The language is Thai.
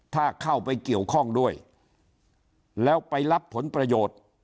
ถ้าเข้าไปเกี่ยวข้องด้วยแล้วไปรับผลประโยชน์